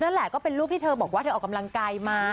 นั่นแหละก็เป็นรูปที่เธอบอกว่าเธอออกกำลังกายมา